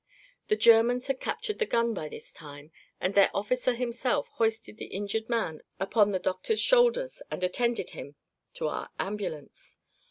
The Germans had captured the gun, by this time, and their officer himself hoisted the injured man upon the doctor's shoulders and attended him to our ambulance.